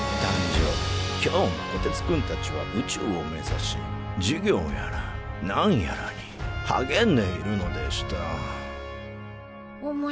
今日もこてつくんたちは宇宙を目指し授業やら何やらにはげんでいるのでしたおもしろかったね